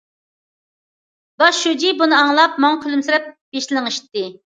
باش شۇجى بۇنى ئاڭلاپ، ماڭا كۈلۈمسىرەپ بېشىنى لىڭشىتتى.